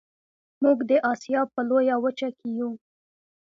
موږ د اسیا په لویه وچه کې یو